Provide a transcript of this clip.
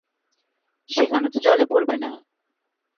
সেখানে তো জলে পড়বে না?